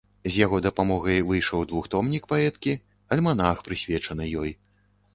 З яго дапамогай выйшаў двухтомнік паэткі, альманах, прысвечаны ёй.